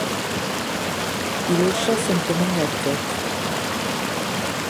Il hocha simplement la tête.